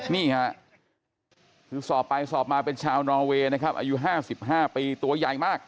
นี่ค่ะคือสอบไปสอบมาเป็นชาวนอเวย์นะครับอายุ๕๕ปีตัวใหญ่มาก